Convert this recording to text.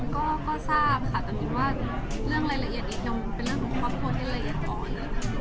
ก็ทราบค่ะแต่มินว่าเรื่องรายละเอียดนี้ยังเป็นเรื่องของครอบครัวที่ละเอียดอ่อน